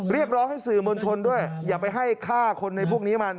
เรียกร้องให้สื่อมวลชนด้วยอย่าไปให้ฆ่าคนในพวกนี้มัน